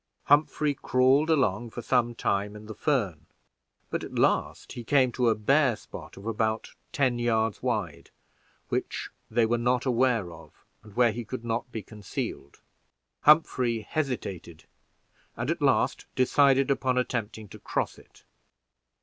Humphrey crawled along for some time in the fern, but at last he came to a bare spot of about ten yards wide, which they were not aware of, and where he could not be concealed. Humphrey hesitated, and at last decided upon attempting to cross it.